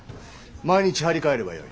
毎日貼り替えればよい。